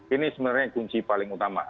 ini sebenarnya kunci paling utama